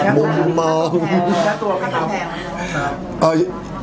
มุมมอง